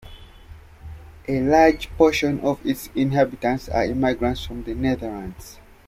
A large proportion of its inhabitants are immigrants from The Netherlands.